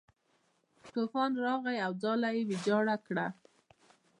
طوفان راغی او ځاله یې ویجاړه کړه.